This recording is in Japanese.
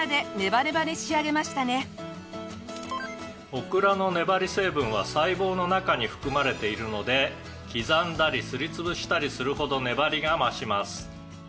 「オクラの粘り成分は細胞の中に含まれているので刻んだりすり潰したりするほど粘りが増します」